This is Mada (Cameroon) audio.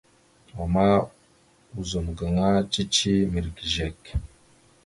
Ama ozum gaŋa cici mirəgezekw.